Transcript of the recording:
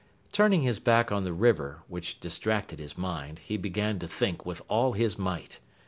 Turning his back on the river, which distracted his mind, he began to think with all his might.